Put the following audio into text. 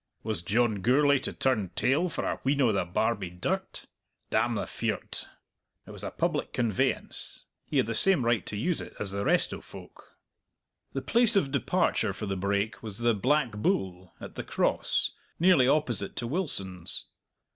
Was John Gourlay to turn tail for a wheen o' the Barbie dirt? Damn the fear o't! It was a public conveyance; he had the same right to use it as the rest o' folk! The place of departure for the brake was the "Black Bull," at the Cross, nearly opposite to Wilson's.